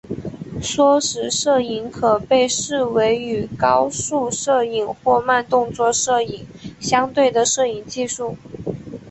缩时摄影可被视为与高速摄影或慢动作摄影相对的摄影技术。